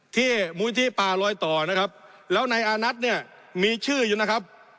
มูลที่ป่าลอยต่อนะครับแล้วในอานัทเนี่ยมีชื่ออยู่นะครับ